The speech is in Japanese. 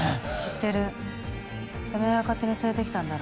てめぇが勝手に連れてきたんだろ。